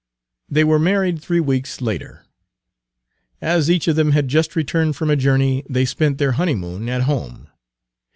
They were married three weeks later. As each of them had just returned from a journey, they spent their honeymoon at home.